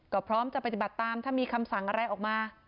ก็พร้อมจะปฏิบัติตามถ้ามีคำสั่งอะไรออกมา